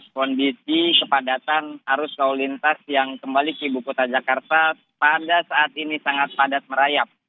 kondisi kepadatan arus lalu lintas yang kembali ke ibu kota jakarta pada saat ini sangat padat merayap